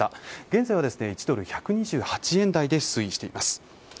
現在は１ドル＝１２８円台で推移しています。